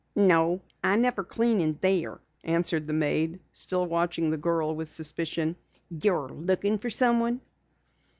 "No, I never clean in there," answered the maid, still watching the girl with suspicion. "You're looking for someone?"